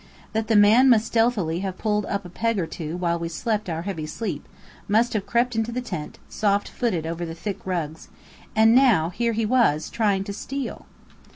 That the man must stealthily have pulled up a peg or two while we slept our heavy sleep, must have crept into the tent, soft footed over the thick rugs, and now here he was, trying to steal.